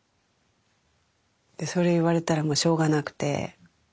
でそれ言われたらもうしょうがなくて。